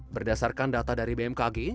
berdasarkan data dari bmkg